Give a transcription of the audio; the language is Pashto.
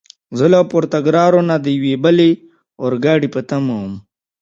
زه له پورتوګرارو نه د یوې بلې اورګاډي په تمه ووم.